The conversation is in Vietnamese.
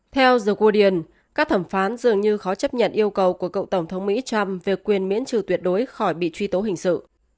theo giờ guadian các thẩm phán dường như khó chấp nhận yêu cầu của cựu tổng thống mỹ trump về quyền miễn trừ tuyệt đối khỏi bị truy tố hình sự